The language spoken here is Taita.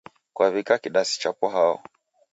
Kwaw'ika kidasi chapo hao?